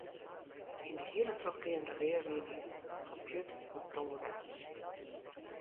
Yn de hiele trochgeande learline, ‘fan pjut oant promovendus’.